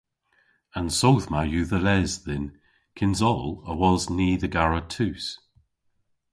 An soodh ma yw dhe les dhyn kyns oll awos ni dhe gara tus.